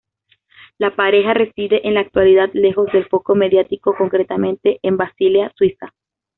La pareja reside en la actualidad lejos del foco mediático, concretamente en Basilea, Suiza.